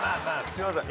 すいません。